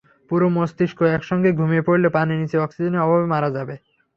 পুরো মস্তিষ্ক একসঙ্গে ঘুমিয়ে পড়লে পানির নিচে অক্সিজেনের অভাবে মারা যাবে।